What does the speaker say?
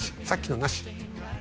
さっきの、なし！」